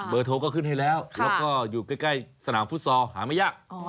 โทรก็ขึ้นให้แล้วแล้วก็อยู่ใกล้สนามฟุตซอลหาไม่ยาก